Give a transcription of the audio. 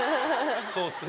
そうっすね。